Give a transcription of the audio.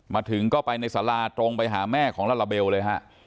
มาถึงก็ไปในสาราตรงไปหาแม่ของลาลาเบลเลยฮะ